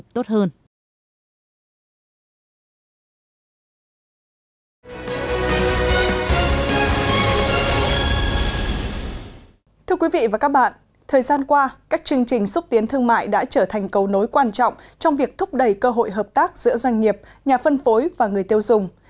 thời gian qua các chương trình xúc tiến thương mại đã trở thành cầu nối quan trọng trong việc thúc đẩy cơ hội hợp tác giữa doanh nghiệp nhà phân phối và người tiêu dùng